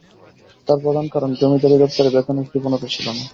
তার প্রধান কারণ জমিদারি দপ্তরে বেতনের কৃপণতা ছিল না।